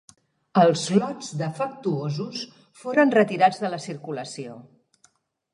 Els lots defectuosos foren retirats de la circulació.